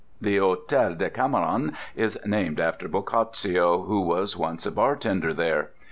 The Hôtel Decameron is named after Boccaccio, who was once a bartender there.